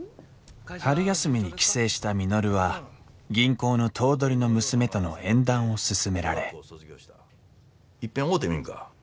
春休みに帰省した稔は銀行の頭取の娘との縁談を勧められいっぺん会うてみんか？